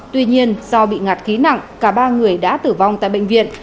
tuy nhiên do bị ngạt khí nặng cả ba người đã tử vong tại bệnh viện